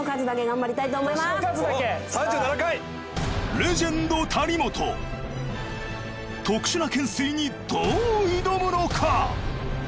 レジェンド谷本特殊な懸垂にどう挑むのか！？